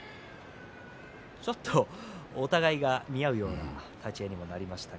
ちょっとお互いが見合うような立ち合いになりました。